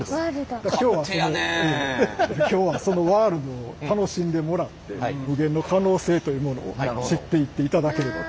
今日はそのワールドを楽しんでもらって無限の可能性というものを知っていっていただければと。